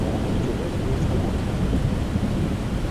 Ճյուղերը գորշագույն են։